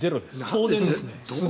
当然ですね。